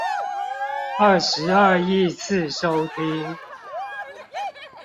二十二億次收聽